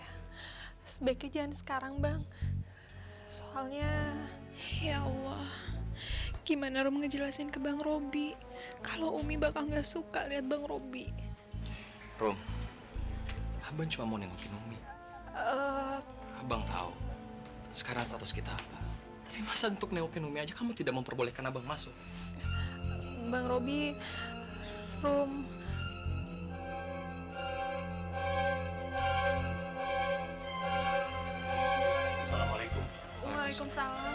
hai sebaiknya jangan sekarang bang soalnya ya allah gimana rom ngejelasin ke bang robby kalau umi bakal nggak suka lihat bang robby rom abang cuma mau nengokin umi abang tahu sekarang status kita apa masa untuk nengokin umi aja kamu tidak memperbolehkan abang masuk bang robby rom